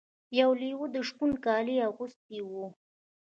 یو لیوه د شپون کالي اغوستي وو.